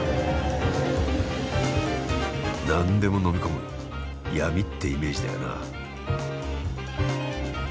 「何でものみ込む闇」ってイメージだよな。